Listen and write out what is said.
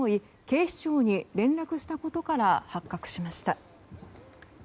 警視庁に連絡したことから発覚しました。